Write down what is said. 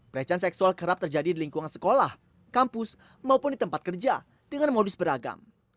pelecehan seksual kerap terjadi di lingkungan sekolah kampus maupun di tempat kerja dengan modus beragam